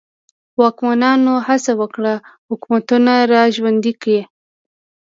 واکمنانو هڅه وکړه حکومتونه را ژوندي کړي.